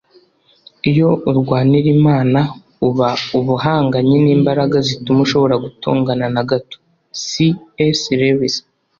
iyo urwanira imana uba uba uhanganye n'imbaraga zituma ushobora gutongana na gato - c s lewis